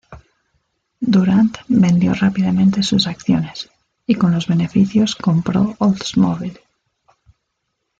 Durant vendió rápidamente sus acciones, y con los beneficios compró Oldsmobile.